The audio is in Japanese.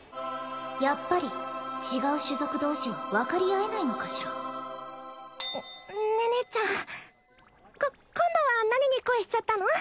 やっぱり違う種族同士は分かり合えないのかしら寧々ちゃんこ今度は何に恋しちゃったの？